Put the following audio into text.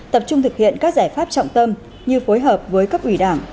tập trung thực hiện các giải pháp trọng tâm như phối hợp với cấp ủy đảng